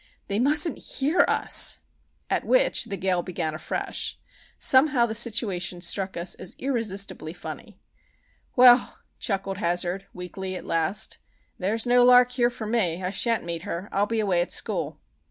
"They mustn't hear us!" At which the gale began afresh. Somehow the situation struck us as irresistibly funny. "Well," chuckled Hazard, weakly at last, "there's no lark here for me. I shan't meet her. I'll be away at school."